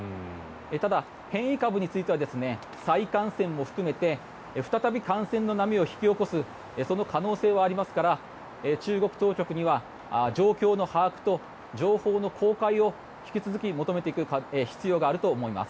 ただ、変異株については再感染も含めて再び感染の波を引き起こすその可能性はありますから中国当局には状況の把握と情報の公開を引き続き求めていく必要があると思います。